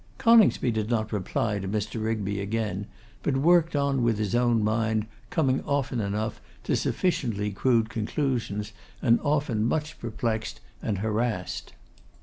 Coningsby did not reply to Mr. Rigby again; but worked on with his own mind, coming often enough to sufficiently crude conclusions, and often much perplexed and harassed.